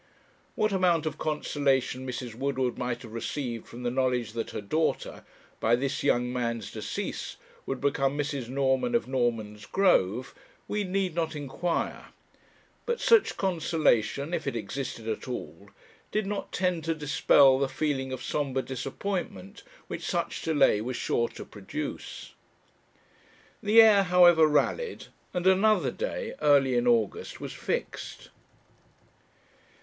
What amount of consolation Mrs. Woodward might have received from the knowledge that her daughter, by this young man's decease, would become Mrs. Norman of Normansgrove, we need not inquire; but such consolation, if it existed at all, did not tend to dispel the feeling of sombre disappointment which such delay was sure to produce. The heir, however, rallied, and another day, early in August, was fixed.